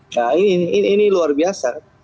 nah ini luar biasa